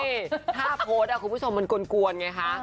นี่ถ้าโพสต์คุณผู้ชมมันกวนไงคะ